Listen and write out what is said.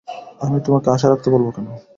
আমি তোমাকে আশা রাখতে বলব কেন।